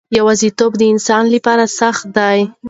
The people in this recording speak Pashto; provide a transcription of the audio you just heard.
آیا یوازیتوب د انسان لپاره سخت دی؟